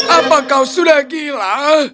apa kau sudah gila